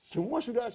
semua sudah acc